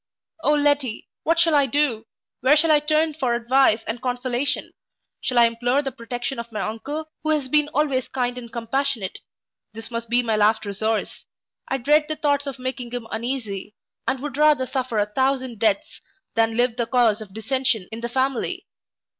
O Letty, what shall I do? where shall I turn for advice and consolation? shall I implore the protection of my uncle, who has been always kind and compassionate. This must be my last resource. I dread the thoughts of making him uneasy; and would rather suffer a thousand deaths than live the cause of dissension in the family.